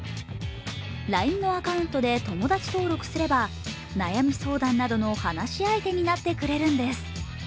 ＬＩＮＥのアカウントで友達登録すれば、悩み相談などの話し相手になってくれるんです。